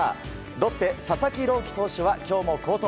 ロッテ、佐々木朗希投手は今日も好投。